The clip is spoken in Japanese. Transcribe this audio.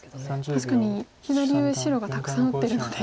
確かに左上白がたくさん打ってるので。